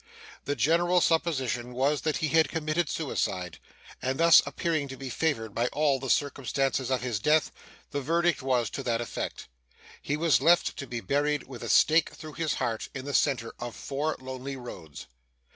The general supposition was that he had committed suicide, and, this appearing to be favoured by all the circumstances of his death, the verdict was to that effect. He was left to be buried with a stake through his heart in the centre of four lonely roads.